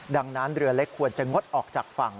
ดังนั้นเรือเล็กควรจะงดออกจากฝั่ง